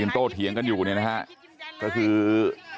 แล้วป้าไปติดหัวมันเมื่อกี้แล้วป้าไปติดหัวมันเมื่อกี้